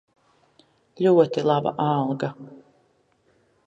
Ļoti laba alga.